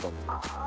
あ。